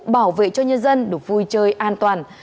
bảo vệ cho nhân dân được vui chơi an toàn